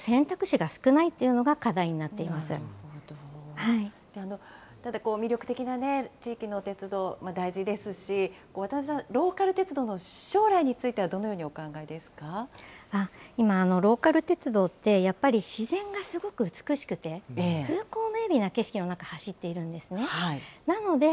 なので、そういうちょっと選択肢が少ないというのが課題になってただ、魅力的な地域の鉄道、大事ですし、ローカル鉄道の将来についてはどのようにお考えです今、ローカル鉄道って、やっぱり自然がすごく美しくて、風光明媚な景色の中、走っているんですね。